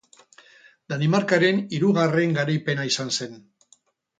Danimarkaren hirugarren garaipena izan zen.